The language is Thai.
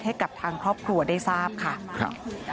ให้กับทางครอบครัวได้ทราบค่ะครับ